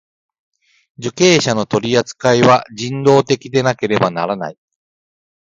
受刑者の取扱いは人道的でなければならない。